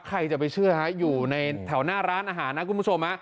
ใครจะไปเชื่อฮะอยู่ในแถวหน้าร้านอาหารนะคุณผู้ชม